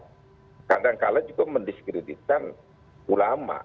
ini juga berarti kadang kadang juga mendiskreditkan ulama